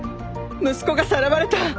息子がさらわれた！